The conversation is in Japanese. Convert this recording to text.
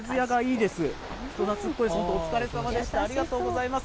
ありがとうございます。